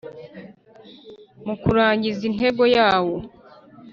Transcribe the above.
Mu kurangiza intego yawo